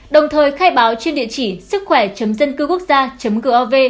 đồng thời khai báo trên địa chỉ sứckhoẻ dân cưu quốc gia gov